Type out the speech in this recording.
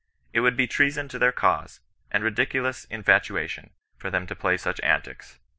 It would be treason to their cause, and ridiculous indfatuation, for them to play such antics.